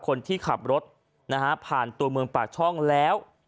คนที่ขับรถนะฮะผ่านตัวเมืองปากช่องแล้ว